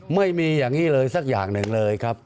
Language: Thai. ไม่มีอย่างนี้เลยสักอย่างหนึ่งเลยครับ